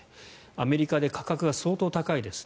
アメリカで価格が相当高いです。